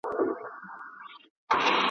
یو سړی سهار له کوره وو وتلی `